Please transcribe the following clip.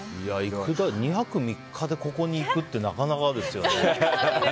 ２泊３日でここに行くってなかなかですよね。